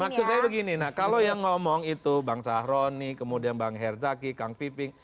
maksud saya begini nah kalau yang ngomong itu bang sahroni kemudian bang herzaki kang viping